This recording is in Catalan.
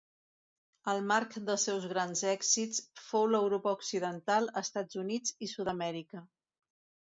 El marc dels seus grans èxits fou l'Europa Occidental, Estats Units i Sud-amèrica.